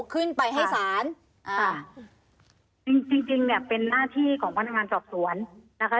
ขึ้นไปให้ศาลอ่าจริงจริงเนี่ยเป็นหน้าที่ของพนักงานสอบสวนนะคะ